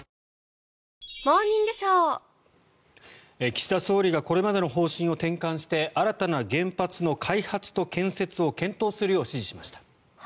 岸田総理がこれまでの方針を転換して新たな原発の開発と建設を検討するよう指示しました。